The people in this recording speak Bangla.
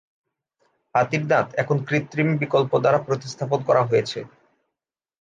হাতির দাঁত এখন কৃত্রিম বিকল্প দ্বারা প্রতিস্থাপন করা হয়েছে।